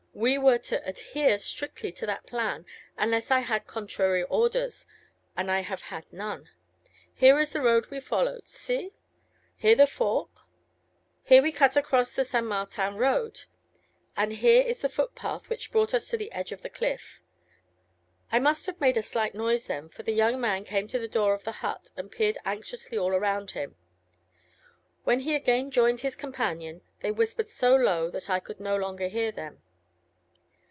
We were to adhere strictly to that plan, unless I had contrary orders, and I have had none. Here is the road we followed, see ... here the fork ... here we cut across the St. Martin Road ... and here is the footpath which brought us to the edge of the cliff.' I must have made a slight noise then, for the young man came to the door of the hut, and peered anxiously all round him. When he again joined his companion, they whispered so low, that I could no longer hear them."